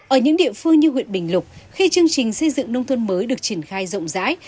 ở những địa phương như huyện bình lục khi chương trình xây dựng nông thôn mới được triển khai rộng rãi